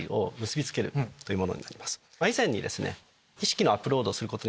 以前にですね。